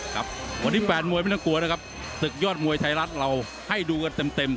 ครับวันนี้แฟนมวยไม่ต้องกลัวนะครับศึกยอดมวยไทยรัฐเราให้ดูกันเต็มเต็ม